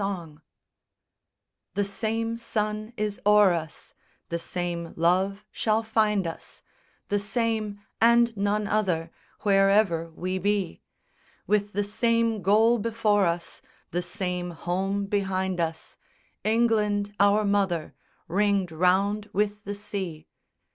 SONG The same sun is o'er us, The same Love shall find us, The same and none other, Wherever we be; With the same goal before us, The same home behind us, England, our mother, Ringed round with the sea.